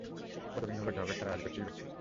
কতদিন হলো, ঝগড়া ছাড়া আর করছিই কী?